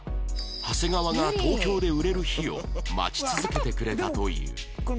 長谷川が東京で売れる日を待ち続けてくれたという